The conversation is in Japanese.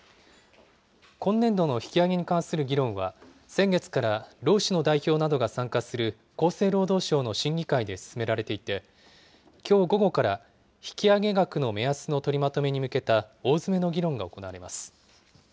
今年度の引き上げに関する議論は、先月から労使の代表などが参加する厚生労働省の審議会で進められていて、きょう午後から引き上げ額の目安の取りまとめに向けた大詰めの議論が行われます。